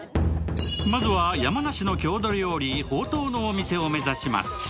まずは、山梨の郷土料理・ほうとうのお店を目指します。